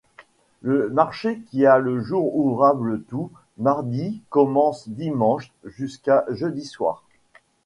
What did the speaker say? Le marché qui a le jour ouvrable tous mardi commence dimanche jusqu'à jeudi soir.